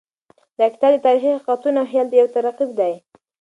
دا کتاب د تاریخي حقیقتونو او خیال یو ترکیب دی.